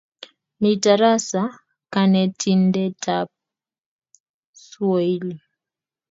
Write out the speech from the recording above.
Mi tarasa kanetindetap Pswoili.